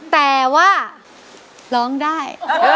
แต่ว่าร้องได้